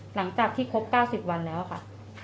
หลังจากที่ครบ๙๐วันแล้วค่ะ